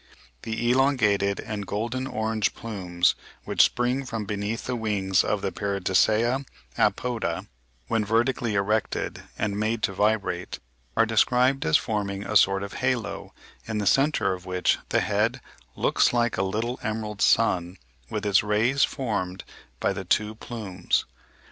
The elongated and golden orange plumes which spring from beneath the wings of the Paradisea apoda, when vertically erected and made to vibrate, are described as forming a sort of halo, in the centre of which the head "looks like a little emerald sun with its rays formed by the two plumes."